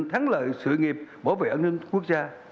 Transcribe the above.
thắng lợi sự nghiệp bảo vệ an ninh quốc gia